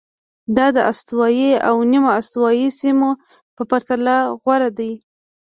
دا د استوایي او نیمه استوایي سیمو په پرتله غوره دي.